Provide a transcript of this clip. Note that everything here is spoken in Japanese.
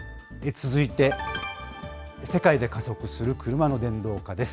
続いて、世界で加速する車の電動化です。